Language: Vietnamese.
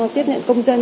tiết nhận công dân